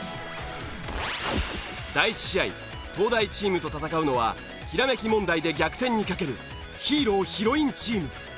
第１試合東大チームと戦うのはひらめき問題で逆転にかけるヒーローヒロインチーム。